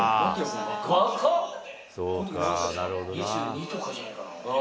２２とかじゃないかな。